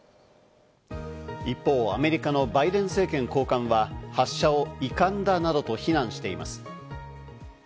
一方、アメリカのバイデン政権高官は発射を遺憾だなどと非難しています。